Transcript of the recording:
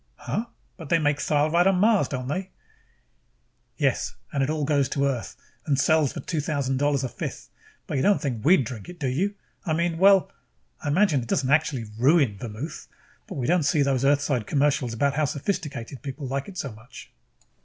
"Huh? But they make thyle right on Mars, don't they?" "Yes. And it all goes to Earth and sells at 2000 dollars a fifth. But you don't think we'd drink it, do you? I mean well, I imagine it doesn't absolutely ruin vermouth. But we don't see those Earthside commercials about how sophisticated people like it so much."